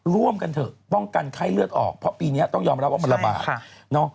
ร่วมกันเถอะป้องกันไข้เลือดออกเพราะปีนี้ต้องยอมรับว่ามันระบาด